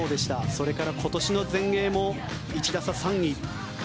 それから今年の全英も１打差３位。